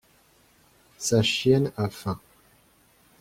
Sa chienne a faim.